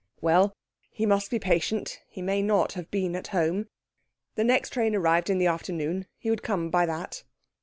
Well, he must be patient; he may not have been at home; the next train arrived in the afternoon; he would come by that.